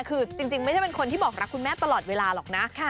คือจริงไม่ได้เป็นคนที่บอกรักคุณแม่ตลอดเวลาหรอกนะ